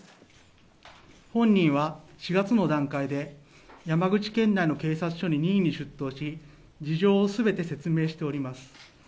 本人は、４月の段階で山口県内の警察署に任意に出頭し、事情をすべて説明しております。